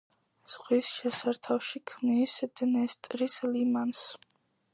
ზღვის შესართავში ქმნის დნესტრის ლიმანს.